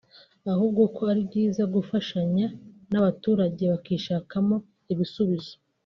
ahubwo ko ari byiza gufashanya nk’abaturage bakishakamo ibisubizo